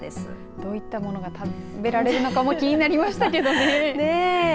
どういったものが食べられるのか気になりましたけどね。